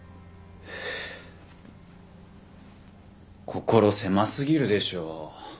心狭すぎるでしょ。